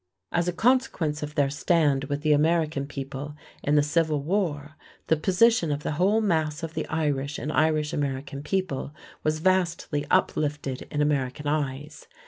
As a consequence of their stand with the American people in the Civil War, the position of the whole mass of the Irish and Irish American people was vastly uplifted in American eyes.